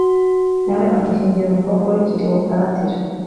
na we amushyingira umukobwa we kilewopatira